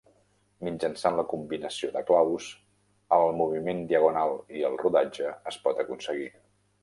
Mitjançant la combinació de claus, el moviment Diagonal i el rodatge es pot aconseguir.